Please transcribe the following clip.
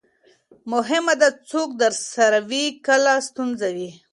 مهمه ده، څوک درسره وي کله ستونزه وي.